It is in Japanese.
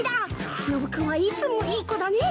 しのぶ君はいつもいい子だねえ。